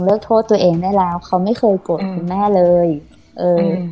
โทษตัวเองได้แล้วเขาไม่เคยโกรธคุณแม่เลยเอ่ย